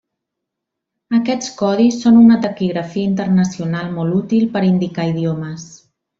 Aquests codis són una taquigrafia internacional molt útil per indicar idiomes.